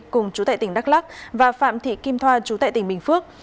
cùng chủ tệ tỉnh đắk lắc và phạm thị kim thoa chủ tệ tỉnh bình phước